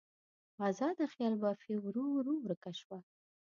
ازاده خیال بافي ورو ورو ورکه شوه.